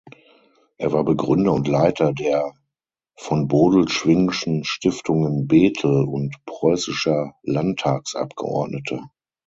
Er war Begründer und Leiter der "Von Bodelschwinghschen Stiftungen Bethel" und preußischer Landtagsabgeordneter.